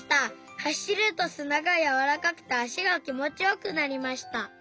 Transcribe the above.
走るとすながやわらかくて足がきもちよくなりました。